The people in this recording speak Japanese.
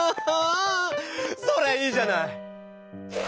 それいいじゃない。